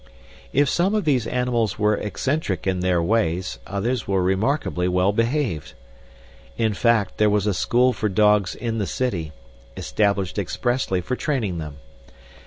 If some of these animals were eccentric in their ways, others were remarkably well behaved. In fact, there was a school for dogs in the city, established expressly for training them.